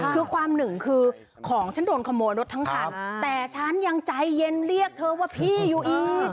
คือความหนึ่งคือของฉันโดนขโมยรถทั้งคันแต่ฉันยังใจเย็นเรียกเธอว่าพี่อยู่อีก